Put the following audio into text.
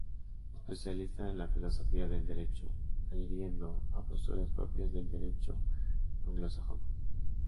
Especialista en la filosofía del derecho, adhiriendo a posturas propias del derecho anglosajón.